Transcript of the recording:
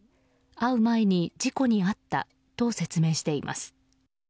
会う前に事故に遭ったと説明しています。